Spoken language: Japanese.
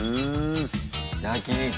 焼き肉。